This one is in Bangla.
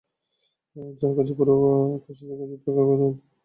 যার কাছে পুরো আকাশ আছে তাকে ইঁদুরের গর্তের লোভ দেখাচ্ছো?